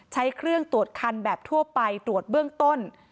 ใช้เครื่องตรวจคันแบบทั่วไปตรวจเบื้องต้น